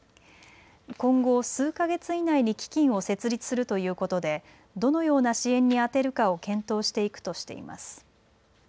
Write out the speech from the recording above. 今後、数か月以内に基金を設立するということでどのような支援に充てるかを検討していくとしています。